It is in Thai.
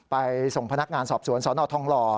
ไปส่งพนักงานสอบสวนสนทองร